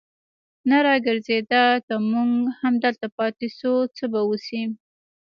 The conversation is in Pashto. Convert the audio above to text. نه را ګرځېده، که موږ همدلته پاتې شو، څه به وشي.